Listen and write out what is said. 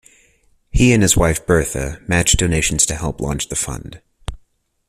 He and his wife, Bertha, matched donations to help launch the fund.